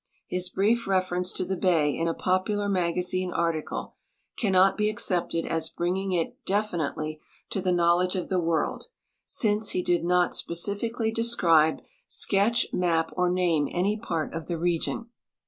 His brief reference to the Ijay in a popular maga zine article cannot be accepted as Inlnging it detinitel}^ to the knowledge of the world, since he did not specihcally describe, sketch, ma]), or name any part ot the region.